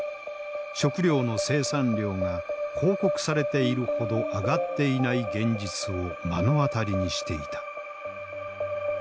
食料の生産量が報告されているほど上がっていない現実を目の当たりにしていた。